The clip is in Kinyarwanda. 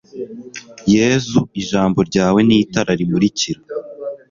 yezu ijambo ryawe ni itara, rimurikira